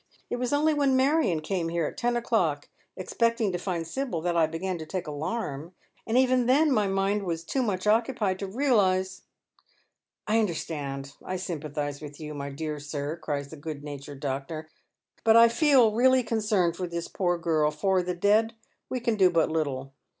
It was only when Marion came here at ten o'clock, expecting to find Sibyl, that I began to take alarm. And even then my mind was too much occupied to realize "" I understand. I sympathize with you, my dear sir," cries the good natured doctor. " But I feel really concerned for this poor girl. For the dead we can do but little.